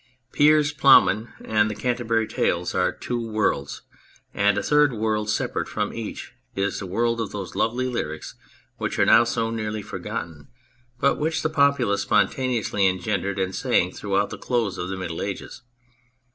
Piers Plowman and the Canterbury Tales are two worlds, and a third world separate from each is the world of those lovely lyrics which are now so nearly forgotten, but which the populace spontaneously engendered and sang throughout the close of the Middle Ages.